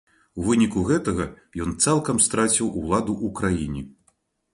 У выніку гэтага ён цалкам страціў уладу ў краіне.